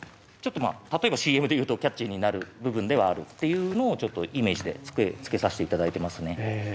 ちょっとまあ例えばＣＭで言うとキャッチーになる部分ではあるっていうのをちょっとイメージで付けさしていただいてますね。